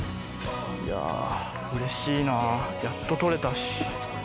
いやぁうれしいなやっと取れたし。